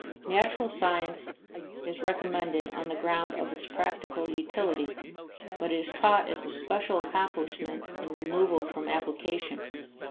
Natural science is recommended on the ground of its practical utility, but is taught as a special accomplishment in removal from application.